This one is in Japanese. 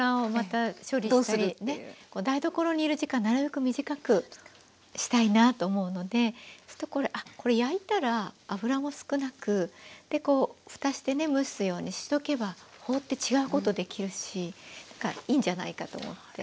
台所にいる時間なるべく短くしたいなと思うのでこれ焼いたら油も少なくふたしてね蒸すようにしとけば放って違うことできるしいいんじゃないかと思って。